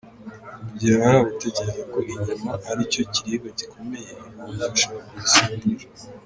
Mu gihe hari abatekereza ko inyama ari cyo kiribwa gikomeye, ibihumyo bishobora kuzisimbura.